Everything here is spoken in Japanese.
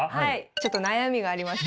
ちょっと悩みがありまして。